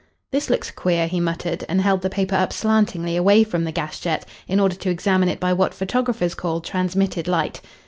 "This looks queer," he muttered, and held the paper up slantingly away from the gas jet in order to examine it by what photographers call transmitted light.